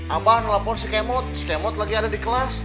abah nelfon si kemot si kemot lagi ada di kelas